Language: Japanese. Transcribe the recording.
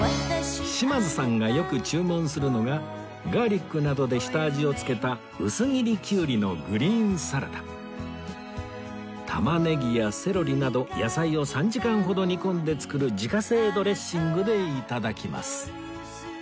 島津さんがよく注文するのがガーリックなどで下味を付けた薄切りキュウリのグリーンサラダタマネギやセロリなど野菜を３時間ほど煮込んで作る自家製ドレッシングで頂きます